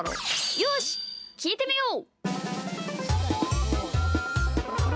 よし、きいてみよう！